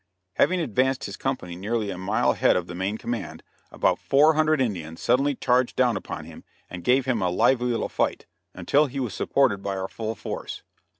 Having advanced his company nearly a mile ahead of the main command, about four hundred Indians suddenly charged down upon him and gave him a lively little fight, until he was supported by our full force.